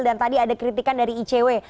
dan tadi ada kritikan dari icw